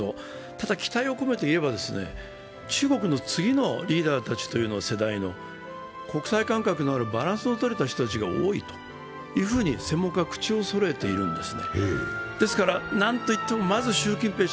ただ期待を込めて言えば中国の次の世代のリーダーたちというのは、国際感覚のあるバランスのとれた人たちが多いと専門家は口をそろえているんです。